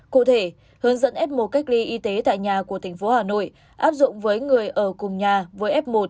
cụ thể hướng dẫn f một cách ly y tế tại nhà của tp hà nội áp dụng với người ở cùng nhà với f một